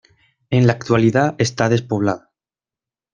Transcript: En la actualidad está despoblado.